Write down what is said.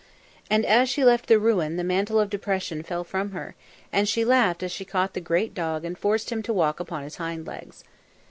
And as she left the ruin, the mantle of depression fell from her, and she laughed as she caught the great dog and forced him to walk upon his hind legs.